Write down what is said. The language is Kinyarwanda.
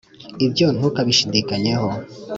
ibyo ntukabishidakenyeho